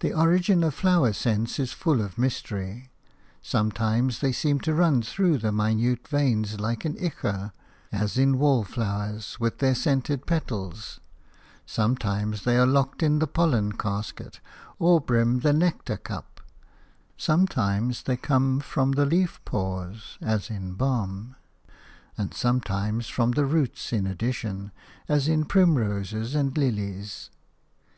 The origin of flower scents is full of mystery. Sometimes they seem to run through the minute veins like an ichor, as in wallflowers, with their scented petals; sometimes they are locked in the pollen casket, or brim the nectar cup; sometimes they come from the leaf pores, as in balm, and sometimes from the roots in addition, as in primroses and lilies.